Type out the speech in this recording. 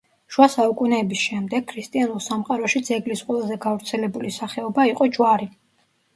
შუა საუკუნეების შემდეგ ქრისტიანულ სამყაროში ძეგლის ყველაზე გავრცელებული სახეობა იყო ჯვარი.